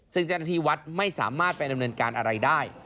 ซึ่งเจ้าหน้าที่วัดไม่สามารถไปดำเนินการอะไรได้